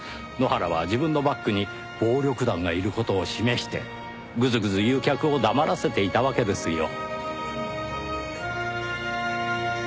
埜原は自分のバックに暴力団がいる事を示してグズグズ言う客を黙らせていたわけですよ。